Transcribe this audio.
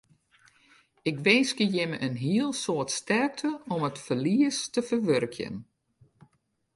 Ik winskje jimme in hiel soad sterkte om it ferlies te ferwurkjen.